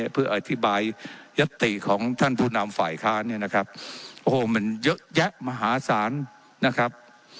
เพื่ออธิบายยัตติของท่านผู้นำฝ่ายค้านเนี่ยนะครับโอ้โหมันเยอะแยะมหาศาลนะครับ